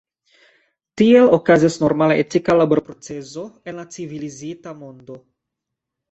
Tiel okazas normala etika laborprocezo en la civilizita mondo.